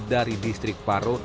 dari distrik paro